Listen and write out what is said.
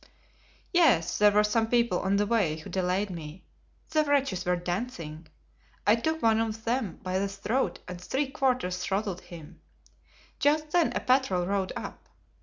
"Yes, there were some people on the way who delayed me. The wretches were dancing. I took one of them by the throat and three quarters throttled him. Just then a patrol rode up.